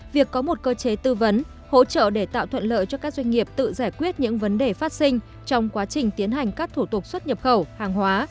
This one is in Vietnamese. việc có một cơ chế tư vấn hỗ trợ để tạo thuận lợi cho các doanh nghiệp tự giải quyết những vấn đề phát sinh trong quá trình tiến hành các thủ tục xuất nhập khẩu hàng hóa